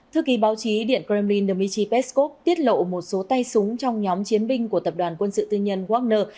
thư ký báo chí điện kremlin dmitr peskov tiết lộ một số tay súng trong nhóm chiến binh của tập đoàn quân sự tư nhân wagner